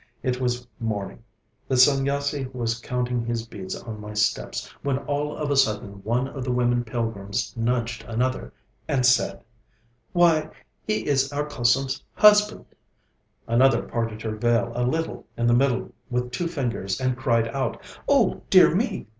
It was morning. The Sanyasi was counting his beads on my steps, when all of a sudden one of the women pilgrims nudged another, and said: 'Why! He is our Kusum's husband!' Another parted her veil a little in the middle with two fingers and cried out: 'Oh dear me!